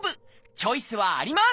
チョイスはあります！